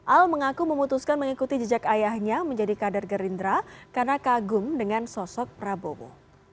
al mengaku memutuskan mengikuti jejak ayahnya menjadi kader gerindra karena kagum dengan sosok prabowo